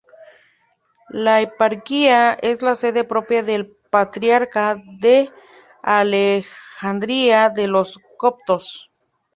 La eparquía es la sede propia del patriarca de Alejandría de los coptos.